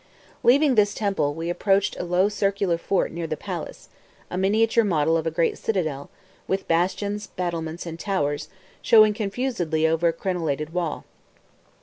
Leaving this temple, we approached a low circular fort near the palace, a miniature model of a great citadel, with bastions, battlements, and towers, showing confusedly over a crenellated wall.